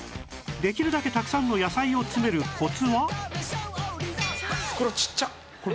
できるだけたくさんの野菜を詰めるコツは？